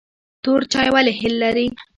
تور چای ولې هل لري؟